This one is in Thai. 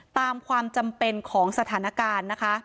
ตามความจำเป็นของสถานการณ์นะคะ